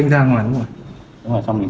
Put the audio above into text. mỗi tầng có mấy phòng anh